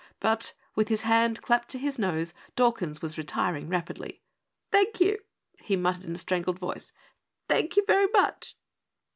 But with his hand clapped to his nose, Dawkins was retiring rapidly. "Thank you!" he muttered in a strangled voice, "thank you very much!"